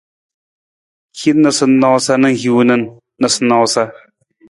Hin noosanoosa na hiwung na noosanoosa.